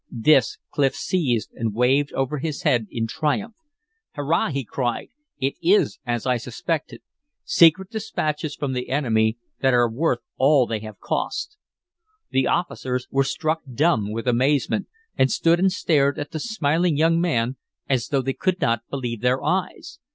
This Clif seized and waved over his head in triumph. "Hurrah!" he cried. "It is as I suspected. Secret dispatches from the enemy that are worth all they have cost!" The officers were struck dumb with amazement, and stood and stared at the smiling young man as though they could not believe their eyes.